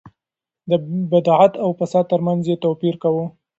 د بدعت او فساد ترمنځ يې توپير کاوه.